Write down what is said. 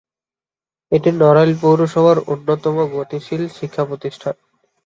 এটি নড়াইল পৌরসভার অন্যতম গতিশীল শিক্ষা প্রতিষ্ঠান।